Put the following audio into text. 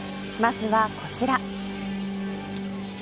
まずはこちら。